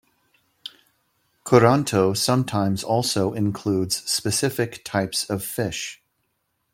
Curanto sometimes also includes specific types of fish.